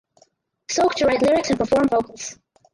Sok to write lyrics and perform vocals.